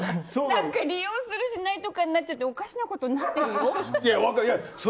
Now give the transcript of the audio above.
何か、利用するしないとかになっておかしなことになってるよ。